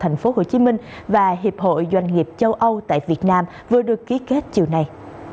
tp hcm và hiệp hội doanh nghiệp châu âu tại việt nam vừa được ký kết chiều nay